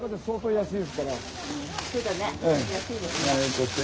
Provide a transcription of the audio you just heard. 安いですね。